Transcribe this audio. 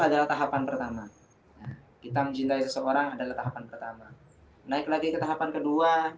adalah tahapan pertama kita mencintai seseorang adalah tahapan pertama naik lagi ke tahapan kedua